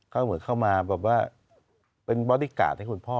ก็เหมือนเข้ามาแบบว่าเป็นบอดี้การ์ดให้คุณพ่อ